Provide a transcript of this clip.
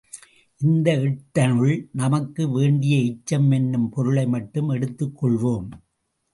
இந்த எட்டனுள் நமக்கு வேண்டிய எச்சம் என்னும் பொருளை மட்டும் எடுத்துக் கொள்வோம்.